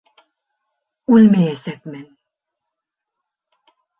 Үлмәйәсәкмен!